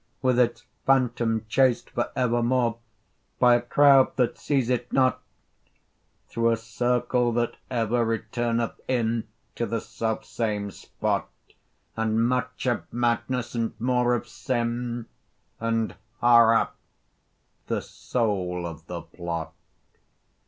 With its Phantom chased for evermore, By a crowd that seize it not, Through a circle that ever returneth in To the self same spot, And much of Madness, and more of Sin, And Horror the soul of the plot.